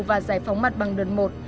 và giải phóng mặt bằng đợt một